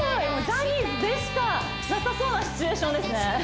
ジャニーズでしかなさそうなシチュエーションですね